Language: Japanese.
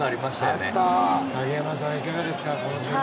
影山さん、いかがですか。